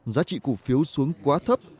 giá trị cổ phiếu xuống quá thấp